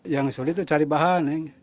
yang sulit itu cari bahan